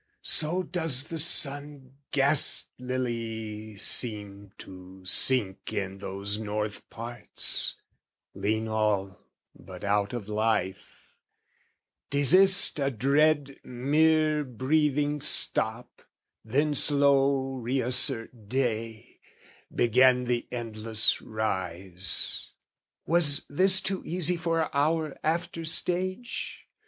So does the sun ghastlily seem to sink In those north parts, lean all but out of life, Desist a dread mere breathing stop, then slow Reassert day, begin the endless rise. Was this too easy for our after stage?